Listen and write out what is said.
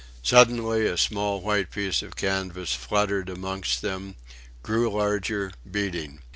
Suddenly a small white piece of canvas fluttered amongst them, grew larger, beating.